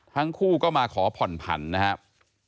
ทั้งคู่ก็มาขอผ่อนผันนะครับ